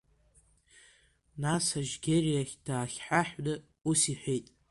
Нас Ажьгьери иахь даахьаҳәны ус иҳәеит.